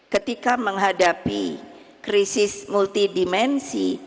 ketika menghadapi krisis multidimensi